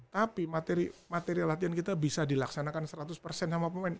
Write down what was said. tapi materi latihan kita bisa dilaksanakan seratus persen sama pemain